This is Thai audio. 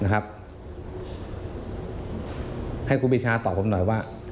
ให้คุณปีชาตอบผมหน่อยว่า